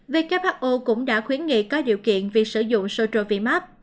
who cũng đã khuyến nghị có điều kiện việc sử dụng sotraviap